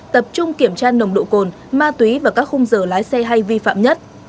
tập trung kiểm tra nồng độ cồn ma túy và các khung giờ lái xe hay vi phạm nhất